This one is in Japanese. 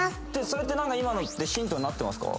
それって何か今のってヒントになってますか？